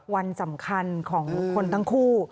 วันสำคัญของคนทั้งคู่